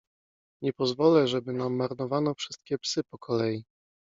- Nie pozwolę, żeby nam marnowano wszystkie psy po kolei.